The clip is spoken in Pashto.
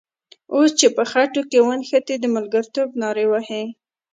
اوس چې په خټو کې ونښتې د ملګرتوب نارې وهې.